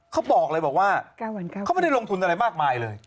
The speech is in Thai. เขาบอกเลยบอกว่าเขาไม่ได้ลงทุนอะไรมากมายเลย